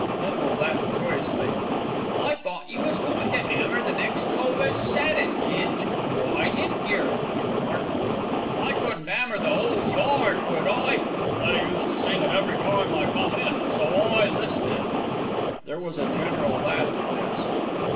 Bindle laughed joyously. "I thought you was goin' to 'ammer the next cove as said it, Ging. Why didn't yer?" he remarked. "I couldn't 'ammer the 'ole yard, could I? They used to sing it every time I come in, so I 'listed." There was a general laugh at this.